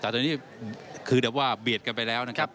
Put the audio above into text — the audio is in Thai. แค่คือขึ้นแบบว่าเบียดกันไปแล้วนะครับ